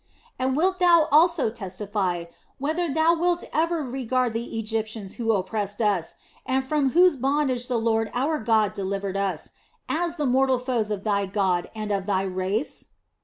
And wilt thou also testify whether thou wilt ever regard the Egyptians who oppressed us, and from whose bondage the Lord our God delivered us, as the mortal foes of thy God and of thy race?"